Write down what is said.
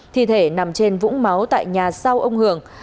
thi thể nằm trên vũng máu tại nhà sau ông hường